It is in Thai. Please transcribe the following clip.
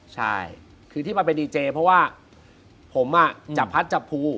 ใช่คือที่มันเป็นดีเจเพราะว่าผมจับพัดจับภู